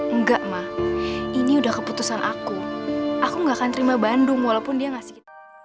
enggak ma ini udah keputusan aku aku gak akan terima bandung walaupun dia ngasih